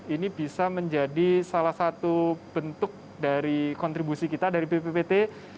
ini bisa menjadi salah satu bentuk dari kontribusi kita dari bppt